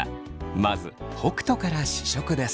まず北斗から試食です。